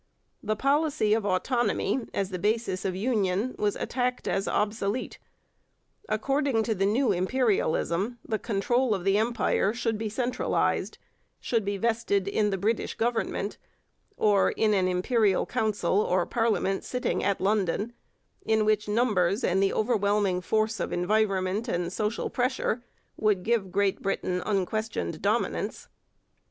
The policy of autonomy as the basis of union was attacked as obsolete. According to the new imperialism, the control of the Empire should be centralized, should be vested in the British Government, or in an Imperial Council or parliament sitting at London, in which numbers and the overwhelming force of environment and social pressure would give Great Britain unquestioned dominance.